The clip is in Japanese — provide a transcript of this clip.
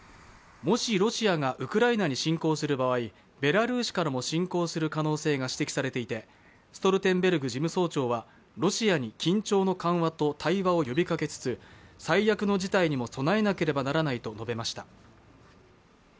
もしロシアがウクライナに侵攻する場合ベラルーシからも侵攻する可能性が指摘されていてストルテンベルグ事務総長はロシアに緊張の緩和と対話を呼びかけつつ、最悪の事態にも備えなければならないと述べましだ。